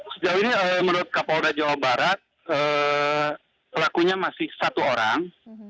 sejauh ini menurut kapolda jawa barat pelakunya masih satu orang